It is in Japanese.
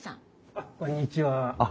あっこんにちは。